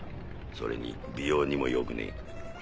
それに美容にも良くねえ。